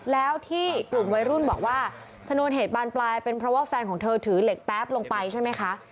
แล้วที่กลุ่มวัยรุ่นบอกว่าชนวนเหตุบานปลายเป็นเพราะว่าแฟนของเธอถือเหล็กแป๊บลงไปใช่ไหมคะ